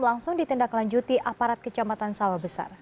langsung ditindaklanjuti aparat kecamatan sawabesar